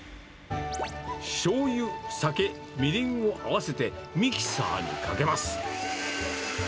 しょうゆ、酒、みりんを合わせてミキサーにかけます。